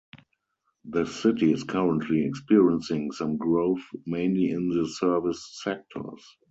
The city is currently experiencing some growth mainly in the service sectors.